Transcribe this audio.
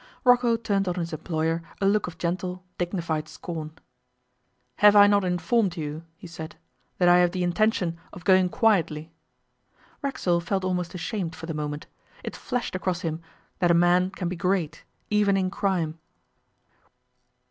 Rocco turned on his employer a look of gentle, dignified scorn. 'Have I not informed you,' he said, 'that I have the intention of going quietly?' Racksole felt almost ashamed for the moment. It flashed across him that a man can be great, even in crime.